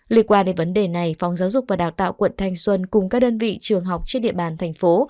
liên quan đến vấn đề này phòng giáo dục và đào tạo quận thanh xuân cùng các đơn vị trường học trên địa bàn thành phố